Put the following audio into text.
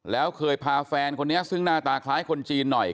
แล้วเคยพาแฟนคนนี้ซึ่งหน้าตาคล้ายคนจีนหน่อย